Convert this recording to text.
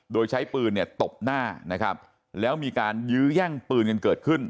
โดยใช้ปืนเนี่ยตบหน้านะครับแล้วมีการยื้อแย่งปืนกันเกิดขึ้น